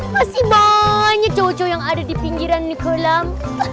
pasti banyak cowok cowok yang ada di pinggiran kolam